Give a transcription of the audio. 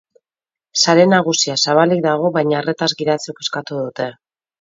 Sare nagusia zabalik dago baina arretaz gidatzeko eskatu dute.